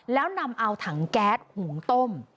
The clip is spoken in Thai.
แล้วนำเอาถังแก๊สหุงต้ม